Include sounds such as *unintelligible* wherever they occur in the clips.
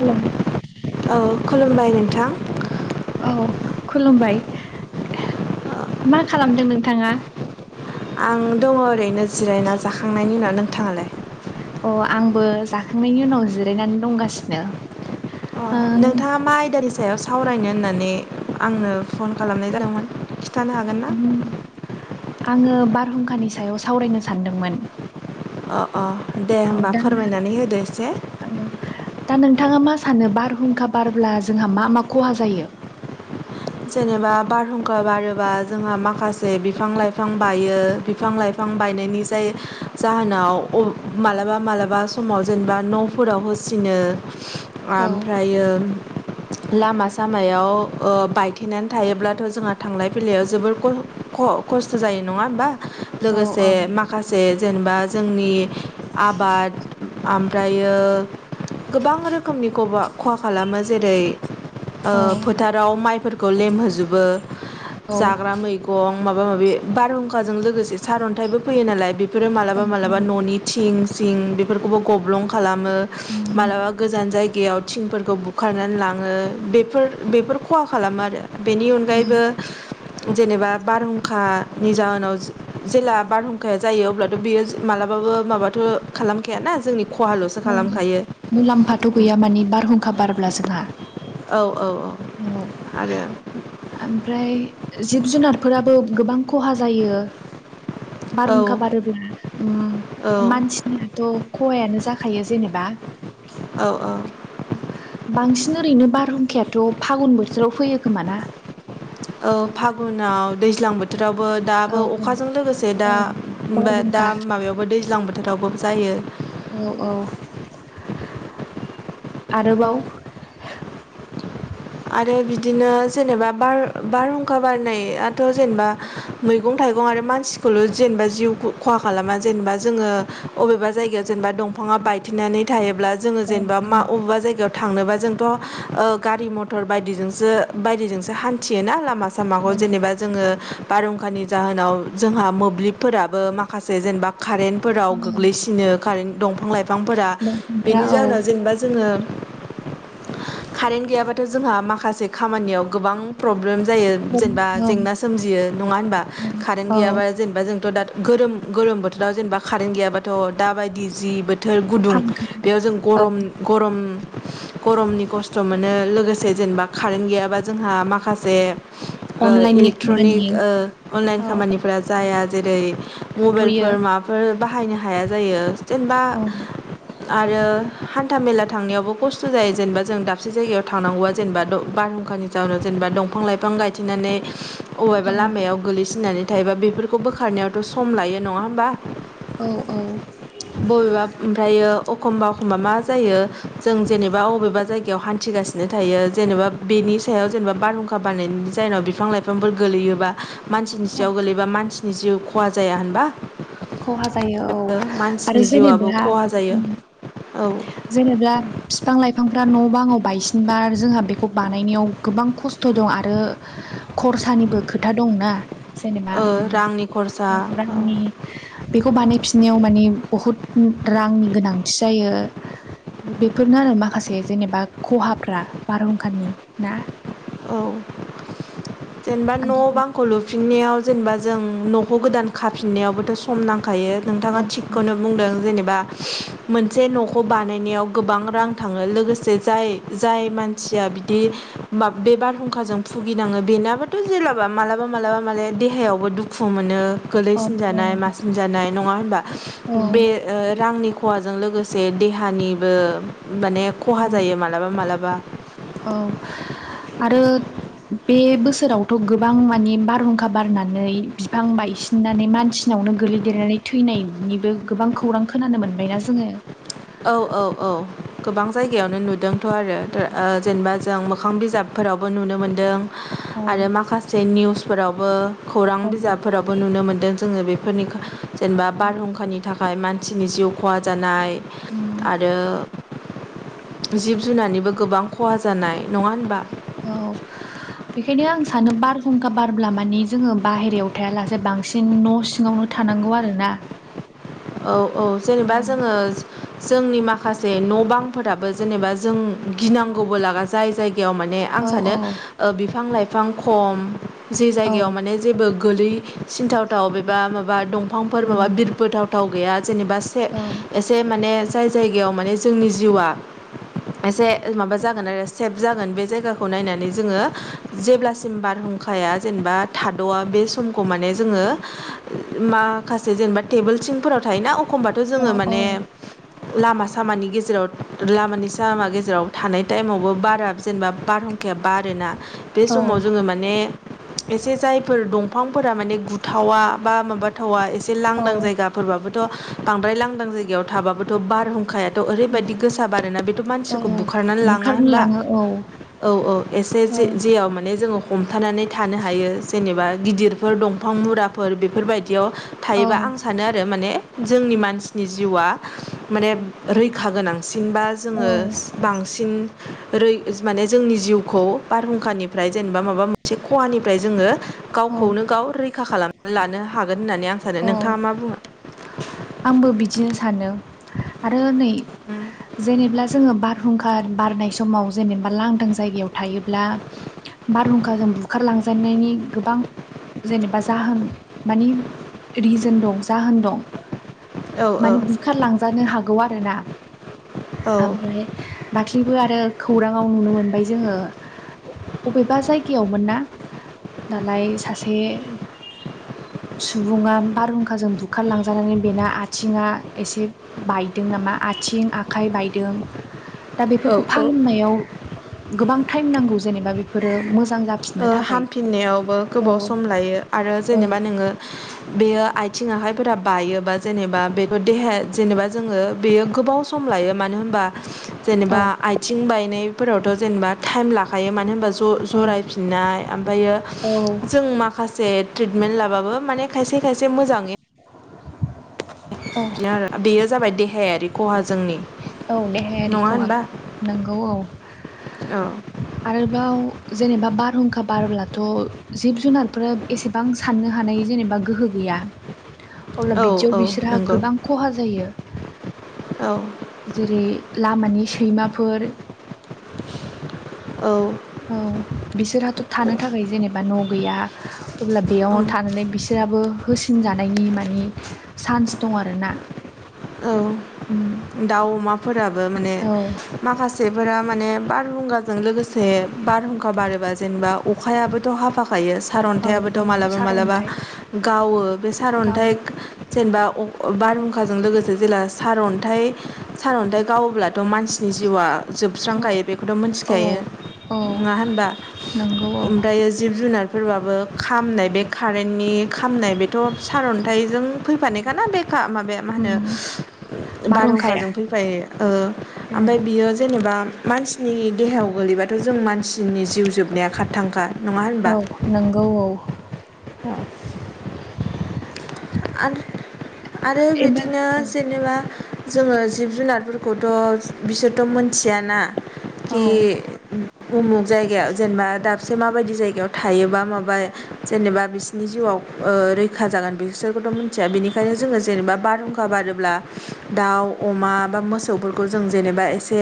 हेल' औ खुलुमबाय नोंथां औ खुलुमबाय मा खालामदों नोंथाङा? आं दङ ओरैनो जिरायना जाखांनायनि उनाव नोंथाङालाय? अ आंबो जाखांनायनि उनाव जिरायनानै दंगासिनो। अ ओ नोंथाङा मा आयदानि सायाव सावरायनो होननानै आंनो फन खालामनाय जादोंमोन खिनथानो हागोन ना? उम, आङो बारहुंखानि सायाव सावरायनो सानदोंमोन। अ अ दे औ होमबा दा फोरमायनानै होदो एसे औ दा नोंथाङा मा सानो बारहुंखा बारब्ला जोंहा मा मा खहा जायो? जेनेबा बारहुंखा बारोबा जोंहा माखासे बिफां लाइफां बायो बिफां लाइफां बायनायनि जाय जाहोनाव मालाबा मालाबा समाव जेनेबा न'फोरावबो *unintelligible* औ आमफ्रायो लामा सामायाव ओ बाय थेनानै थायोब्लाथ' जोंहा थांलाय फैलायाव जोबोर खस्थ' जायो नङा होमबा औ लोगोसे माखासे जेनेबा जोंनि आबाद आमफ्रायो गोबां रोखोमनि खहा खालामो जेरै ओ औ फोथाराव माइफोरखौ लेमहोजोबो औ जाग्रा मैगं माबा माबि बारहुंखाजों लोगोसे सारनथाइबो फैयो नालाय बेफोरो मालाबा मालाबा न'नि थिं सिं बेफोरखौबो गब्लं खालामो मालाबा गोजान जायगायाव थिंफोरखौ बुखारनानै लाङो बेफोर बेफोर खहा खालामो आरो। बेनि अनगायैबो जेनेबा बारहुंखानि जाहोनाव जेला बारहुंखाया जायो अब्लाथ' बेयो मालाबाबो माबाथ' खालामखायाना जोंनि खहाल'सो औ खालामखायो मुलामफाथ' गैया मानि बारहुंखा बारब्ला जोंहा। औ औ औ आरो ओमफ्राय जिब जुनारफोराबो गोबां खहा जायो। बारहुंखा औ बारोब्ला ओ औ मानसिनियाथ' खहायानो जाखा खायो जेनेबा औ औ बांसिन ओरैनो बारहुंखायाथ' फागुन बोथोराव फैयो खोमा ना? औ फागुनाव दैज्लां बोथोर बोथोरावबो औ दाबो औ अखाजों लोगोसे दा औ दा बारहुंखा माबायावबो दैज्लां बोथोरावबो जायो औ औ आरोबाव आरो बिदिनो जेनेबा बार बारहुंखा बारनायाथ' जेनेबा मैगं थाइगं थाइं आरो मानसिखौल' जेनेबा जिउ खहा खालामा जेनेबा जोङो अबेबा जायगायाव जेनेबा दंफां बायनानै थायोब्ला जोङो औ जेनेबा मा अबेबा जायगायाव थांनोबा जोंथ' ओ गारि म मटर बायदिजोंसो बायदिजोंसो हानथियोना लामाखौ। आसामावबो औ जेनेबा जोङो बारहुंखानि जाहोनाव जोंहा मोब्लिबफोराबो माखासे जेनेबा कारेेनटफोराव औ गोग्लैसिनो कारेन दंफां लाइफां बिफांफोरा दंफांफ्रा बेनि औ जाहोनाव जेनेबा जोङो कारेन्ट गैयाबा जोंहा माखासे खामानियाव गोबां प्रब्लेम जायो औ जेनेबा जेंना सोमजियो नङा होनबा कारेन्ट औ औ गैयाबा जेनेबा जोंथ' दा गोरोम गोलोम बोथोराव जेनेबा कारेन्ट गैयाबाथ' दा बायदि जि बोथोर गुदुं फांखा बेयाव जों औ गरम गरम गरमनि खस्थ' मोनो लोगोसे जेनेबा कारेन्ट गैयाबा जोंहा माखासे ओ अनलाइननि इलेक्ट्रनिक खामानि ओ अनलाइन औ खामानिफोरा जाया जेरै थाथ'यो मबाइलफोर माबाफोर बाहायनो हाया जायो जेनेबा औ आरो हान्था मेला थांनायावबो खस्थ' जायो जेनेबा जों दाबसे जायगायाव थानांगौबा जेनेबा बारहुंखानि जााहनाव जेनेबा दंफां लाइफां गायथिनानै अबेबा औ लामायाव गोगलैसिननानै थायोबा बेफोरखौ बोखारनायाव 'सम लायो नङा होमबा औ औ बबेबा ओमफ्रायो एखमबा एखमबा मा जायो जों जेनेबा बबेबा जायगायाव याव हान्थिगासिनो थायो जेनेबा बेनि सायाव जेनेबा बारहुंखा बानायनायनि जनाव बिफां लाइफांफोर गोलैयोबा मानसिनि सायाव गोलैबा मानसिनि जिउ खहा जाया होनबा! खहा जायो औ आरो मानसिनि जिउआबो जेनेबा खहा जायो औ जेनेब्ला फिफां लाइफांफ्रा न' बाङाव बायसिनबा जोंहा बेखौ बानायनायाव गोबां खस्थ' दं आरो खरसानिबो खोथा दंना जेनेबा रांनि खरसा *inaudible* औ रांनि बेखौ बानायफिननायाव माने बहुद रांनि गोनांथि जायो बेफोरनो आरो माखासे जेनेबा खहाफ्रा बारहुंखारानि ना औ जेनेबा न' बांखौ लुफिननायाव जेनेबा जों न'खौ गोदान खाफिननायावबोथ' सम नां *unintelligible* औ नोंथाङा थिखौनो बुंदोन जेनेबा मोनसे न'खौ बा बानायनायाव गोबां रां थाङो लोगोसे जाय जाय मानसिया बि बे बारहुंखाजों भुगिनाङो बेनाबाथ' जेलाबा मालाबा मालाबा माने देहायावबो दुखु मोनो औ गोलैसिनजानाय मासिनजानाय नङा होनबा? औ बे ओ रांनि खहाजों लोगोसे देहानिबो माने खहा जायो मालाबा मालाबा औ *unintelligible* आरो बे बोसोरावथ' गोबां माने बारहुंखा बारनानै बिफां बायसिननानै मानसिना बावनो गोलैदेरनानै थैनायनिबो गोबां खौरां खोनानो मोनबायना जोङो औ औ औ गोबां जायगायावनो नुदोंथ' आरो ओ जेनेबा जों मोखां बिजाब फोरावबो नुनो मोन्दों *unintelligible* आरो माखासे निउसफोरावबो खौरां बिजाबफोरावबो नुनो मोनदों जोङो बेफोरनि जेनेबा बारहुंखानि थाखाय मानसिनि जिउ खहा जानाय उम आरो जिब जुनारनिबो गोबां खहा जानाय नङा होनबा औ *unintelligible* *unintelligible* आं सानो बारहुंखा बारब्ला माने जोङो बाहेरायाव थायालासे बांसिन न' सिङावनो थानांगौ गौ आरोना। औ औ जेनेबा जोङो जोंनि माखासे न' बांफोराबो जेनेबा जों गिनांगौबो लागा जाय जाय जायायाव माने आं औ सानो औ बिफां लाइफां खम जे औ जायगायाव माने जेबो गोलै सिनथावथाव एबा माबा दंफांफोर माबा उम बिरफोथावथाव गैया जेनेबा से औ एसे माने जाय जायगायाव माने जोंनि जिउआ एसे माबा जागोन आरो सेफ जागोन बे जायगाखौ नायनानै जोङो जेब्लासिम बार हुंखाया जेनबा थाद'आ बे समखौ माने जोङो माखासे जेनेबा टेबोल थिं फोराव थायोना अखमबाथ' औ जोङो औ माने लामा सामानि गेजेराव लामानि सामा गेजेराव थानाय टाइमावबो बारा जेनेबा बारहुंखाया बारोना बे औ समाव जोङो माने एसे जायफोर दंफां फोरा माने गुथावा बा माबाथावा एसे औ लांदां जायगा फोरबोथ' बांद्राय लांदां जायगायाव थाबाबोथ' बारहुंखायाथ' ओरैबायदि गोसा बारोना बेथ' मानसि औ बुखारनानै लाङा बुखारनो होनबा लाङो औ औ औ एसे औ जे जे आव माने जोङो हमथा थानानै थानो हायो जेनबा गिदिरफोर दंफां मुरा फोर बेफोरबायदियाव औ थायोबा आं सानो आरो माने जोंनि मानसिनि जिउआ माने रैखा गोनां। सिनबा औ जोङो बांसिन ओरै माने जोंनि जिउखौ बारहुंखानिफ्राय जेनेबा माबा मोनसे खहानिफ्राय जोङो औ गावखौनो गाव रैखा खालामना लानो हागोन होननानै आं सानो औ नोंथाङा मा बुङो? आंबो बिदिनो सानो आरो नै जेनेबला जोङो बार हुंखा बारनाय समाव जेनेबा लांदां जायगायाव थायोब्ला बारहुंखाजों बुखारलांजेननायनि गोबां जेनेबा जाहोन मानि रिजोन दं जाहोन दं। औ औ माने बुखारलांजानो हागौ आरोना। औ आमफ्राय दाख्लिबो आरो खौरांवाव नुनो मोन ओमफाय जोङो अबेबा जायगायाव मोन ना दालाय सासे सुबुङा बारहुंखाजों बुखारलांजानानै बेना आथिङा एसे बायदों नामा आथिं आखाइ बायदों। दा औ बेफोरखौ औ फाहामनायाव गोबां टाइम नांगौ जेनेबा बेफोरो मो ओ हामफिननायावबो गोबाव औ सम लायो आरो औ जेनेबा नोङो बेयो आयथिं आखाइफोरा बायोबा जेनेबा बेफोर देहाया जेनेबा जोङो बेयो गोबाव सम लायो मानो होमबा औ जेनेबा आयथिं बायनायफोरावथ' जेनेबा टाइम लाखायो मानो होनबा औ ज'-जरायफि नाय आमफायो औ जों माखासे ट्रिटमेन्ट लाबाबो माने खायसे खायसे मोजाङै औ बिदिनो आरो बेयो जाबाय देहायारि खहा जोंनि औ देहायारि नङा खहा होनबा नंगौ औ। ओ आरोबाव जेनेबा बारहुंखा बारब्लाथ' जिब जुनारफोरा एसेबां साननो हानाय जेनेबा गोहो गैया। अब्ला औ बिदियाव औ बिसोरहा नंगौ गोबां खहा जायो। औ जेरै लामानि सैमाफोर *inaudible* औ औ बिसोरहाथ' थानो थाखाय जेनेबा न' गैया अब्ला बेयावनो थानानै बिसोर हाबो होसिनजानायनि मानि चान्स दं आरोना। औ उम दाउ अमाफोराबो माने औ माखासेफोरा माने बारहुंगाजों लोगोसे बारहुंखा बारोबा जेनेबा अखायाबोथ हाफाखायो औ सारअन्थायाबोथ' औ मालाबा मालाबा सारअन्थाइ गावो बे गाव सारअन्थाइ जेनेबा अ- बारहुं हुंखाजों लोगोसे जेला सारन्थाइ सारन्थाइ गावोब्ला थ' मानसिनि जिउआ जोबस्रांखायो बेखौथ औ मोनथिखायो, औ नङा होनबा? नंगौ औ ओमफ्रायो जिब जुनारफोरबाबो खामनाय बे कारेन नि खामनाय बेथ' सारन्थाइजों फैफानायखाना बेखा माबाया मा उम होनो बारहुंखाया बारहुंखाजों फैफायो ओ औ आमफाय बियो जेनेबा मानसिनि देहायाव गोलैबाथ' जों मान सिनि जिउ जोबनाया खाथांखा, नङा होनबा? औ नंगौ औ अ आरो आरो एबार बिदिनो जेनेबा जोङो जिब जुनारफोरखौथ' बिसोरथ' मोनथियाना औ खि औ उमुख जायगायाव जेनेबा दाबसे माबायदि जायगायाव थायोबा माबा जेनेबा बिसिोरनि जिउआ ओ रैखा जागोन बिसोरखौिथ मोनथिया बिनिखायनो जोङो जेनेबा बारहुं खा बारोब्ला दाउ अमा बा मोसौफोरखौ जों जेनेबा एसे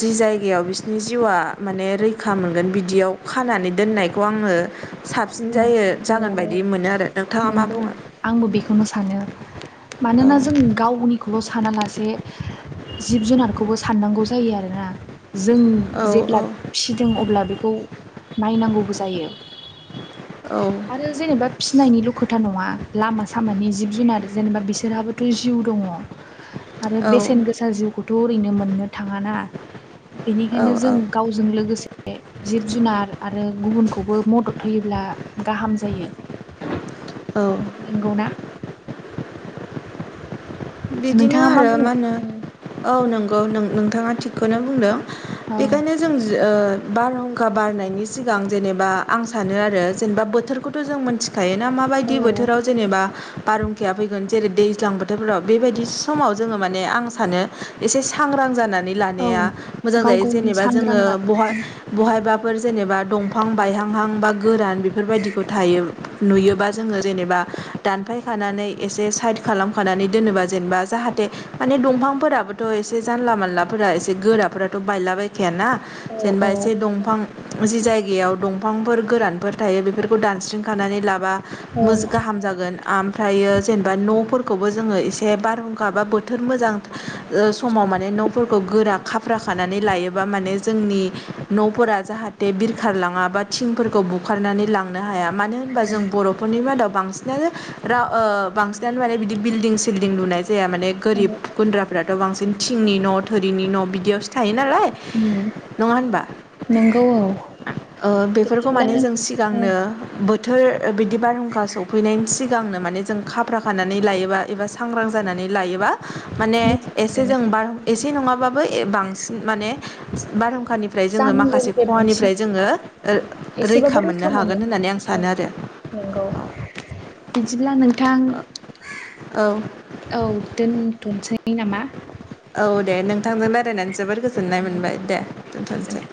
जि जाय गायाव बिसोरनि जिउआ माने रैखा मोनगोन बिदियाव खानानै दोननायखौ आङो साबसिन औ जायो जागोन औ बायदि मोनो आरो, नोंथाङा मा नंगौ बुङो? आंबो बेखौनो सानो मानोना जों गावनि खौल' सानालासे जिब जुनारखौबो साननांगौ जायो आरोना। जों औ जेब्ला औ फिसिदों अब्ला बेखौ नायनांगौबो जायो। औ आरो जेनेबा फिनायनिल' खोथा नङा लामा सामानि जिब जुनार जेनेबा बिसोरहाबोथ' जिउ दङ। आरो औ बेसेन गोसा जिउखौथ' ओरैनो मोननो थाङा ना। औ बेनिखायनो जों गावजों लोगोसे जिब जुनार आरो गुबुनखौबो मदद होयोब्ला गाहाम जायो। औ नंगौना? बिदिनो नोंथाङा आरो बुङो मा होनो औ नों गो नों नोंथाङा थिगखौनो बुंदों औ बेखायनो जों ओ बारहुंखा बारनायनि सिगां जेनेबा आं सानो आरो जेनेबा बोथोरखौथ' जों मिनथि खायोना माबायदि बोथोराव जेनेबा बारहुंखाया फैगोन जेरै दैज्लां बोथोरफोराव बेबायदि समाव जोङो माने आं सानो एसे सांग्रां जानानै औ लानाया मोजां गाव जायो गावनि जेनेबा सांग्रां जोङो आरो बहाय बहायबाफोर फोर जेनेबा दंफां बायहांहां बा गोरान बेफोरबायदिखौ थायो। नुयोबा जोङो जेनेबा दानफायखानानै एसे साइद खालामखानानै दोनोबा जेनेबा। जाहाथे माने दंफांफोराबोथ' एसे जानला मानलाफोरा एसे गोराफोराथ' बायलाबायखायाना। जेनबा औ एसे दंफां जि जायगायाव दं फांफोर गोरानफोर थायो बेफोरखौ दानस्रिंखानानै लाब बा औ मोज- गाहाम जागोन आमफ्रायो जेनबा न' फोरखौबो जोङो एसे बारहुं खा बा बोथोर मोजां ओ- समाव माने न'फोरखौ गोरा खाफ्रा खानानै लायोबा माने जोंनि न'फोरा जाहाथे बिरखारलाङा बा थिंफोरखौ बुखारनानै लांनो हाया। मानो होनबा जों बर'फोरनि मादाव, बांसिनानो रा-ओ-बांसिनानो माने बिदि बिलडिं सिंलडि लुनाय जाया माने गोरिब गुन्द्राफ्राथ' बांसिन थिंनि न' थोरिनि न' बिदियाव सो थायो नालाय उम नङा होनबा? नंगौ औ ओ-बेफोरखौ बिदिब्ला माने जों औ सिगांनो बोत बोथोर ओ-बिदि बारहुंखा सौफैनायनि सिगांनो माने जों खाफ्रााखानानै लायोबा एबा सांग्रां जानानै लायोबा। माने मोजां एसे आरोना जों बारह एसे नङाबाबो बांसिन माने बारहुंखानि फाय जोङो माखासे जानांगौनिफ्राय बांसिन खहानिफ्राय जोङो ओ- रैखा मोननो हागोन होननानै आं सानो आरो। नोंगौ बिदिब्ला नोंथां औ औ। थनसै नामा? औ दे नोंथांजों रायरायनानै। जोबोर गोजोननाय मोनबाय दे दोनथ'सै। गोजोनथों